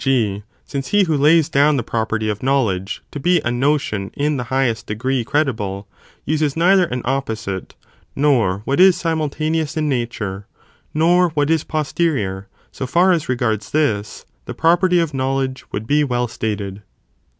g. since he who lays down the pro perty of knowledge, to be a notion in the highest degree credible, uses neither an opposite, nor what is simultaneous CHAP. IIL |. THE TOPICS, | 449 in nature, nor what is posterior, so far as regards this, the property of knowledge would be well stated.